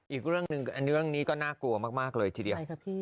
อีกเรื่องนี้ก็น่ากลัวมากเลยทีเดียว